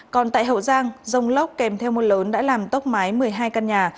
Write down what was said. còn tại hậu giang dông lốc kèm theo môn lớn đã làm tốc mái một mươi hai căn nhà